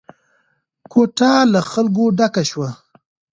کوټه له خلکو ډکه شوه.